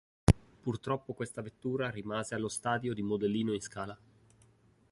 Purtroppo questa vettura rimase allo stadio di modellino in scala.